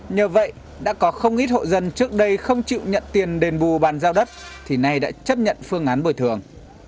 nhờ vậy đã có không ít hộ dân trước đây không chịu nhận tiền đền bù bàn giao đất thì nay đã chấp nhận phương án bồi thường